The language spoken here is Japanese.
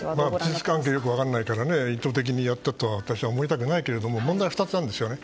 事実関係がよく分からないから意図的にやったとは思いたくないけど問題は２つあるんですよね。